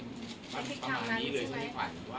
ประมาณนี้เลยใช่ไหมขวัญ